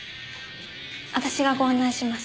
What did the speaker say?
私がご案内します。